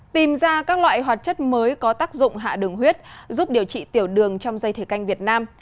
tìm ra các loại hoạt chất mới có tác dụng hạ đường huyết giúp điều trị tiểu đường trong dây thỉa canh việt nam